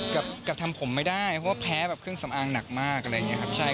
กับกับทำผมไม่ได้ว่าแพ้แบบเครื่องสำอางหนักมากอะไรอย่างเงี้ย